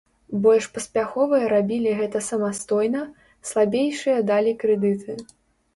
Больш паспяховыя рабілі гэта самастойна, слабейшыя далі крэдыты.